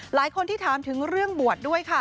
หลายคนที่ถามถึงเรื่องบวชด้วยค่ะ